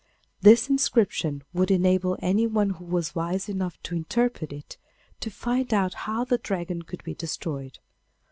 This inscription would enable anyone who was wise enough to interpret it to find out how the Dragon could be destroyed.